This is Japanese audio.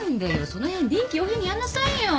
その辺臨機応変にやんなさいよ。